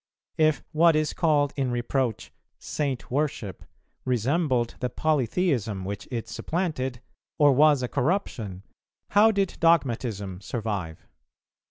If what is called in reproach "Saint worship" resembled the polytheism which it supplanted, or was a corruption, how did Dogmatism survive?